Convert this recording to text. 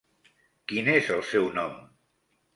Quin és el seu nom?